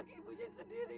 ampuni dosa anakku